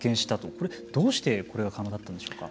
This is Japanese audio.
これどうしてこれが可能だったんでしょうか。